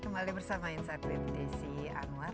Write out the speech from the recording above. kembali bersama insight with desi anwar